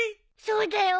そうだよ